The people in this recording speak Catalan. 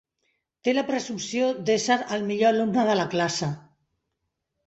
Té la presumpció d'ésser el millor alumne de la classe.